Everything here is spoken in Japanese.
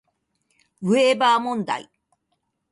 ウェーバー問題